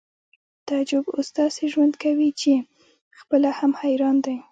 تعجب اوس داسې ژوند کوي چې خپله هم حیران دی